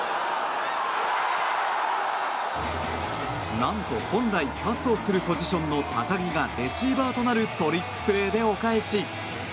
なんと本来パスをするポジションの高木がレシーバーとなるトリックプレーでお返し。